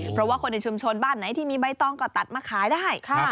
เพราะว่าคนในชุมชนบ้านไหนที่มีใบตองก็ตัดมาขายได้